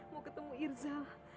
mau ketemu irza